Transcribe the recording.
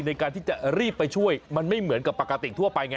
ในการที่จะรีบไปช่วยมันไม่เหมือนกับปกติทั่วไปไง